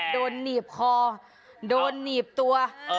หนีบคอโดนหนีบตัว